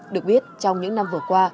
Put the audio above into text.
được biết trong những năm vừa qua